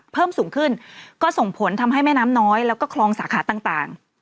เพิ่มสูงขึ้นก็ส่งผลทำให้แม่น้ำน้อยแล้วก็คลองสาขาต่าง